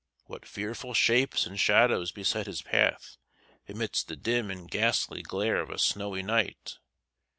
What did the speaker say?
What fearful shapes and shadows beset his path amidst the dim and ghastly glare of a snowy night!